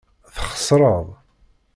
Txeṣṛeḍ.